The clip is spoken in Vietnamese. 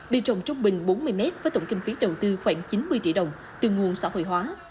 bị trồng trung bình bốn mươi mét với tổng kinh phí đầu tư khoảng chín mươi tỷ đồng từ nguồn xã hội hóa